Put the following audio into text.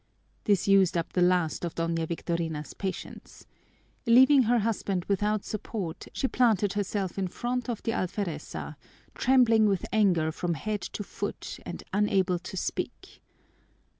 This used up the last of Doña Victorina's patience. Leaving her husband without support, she planted herself in front of the alfereza, trembling with anger from head to foot and unable to speak.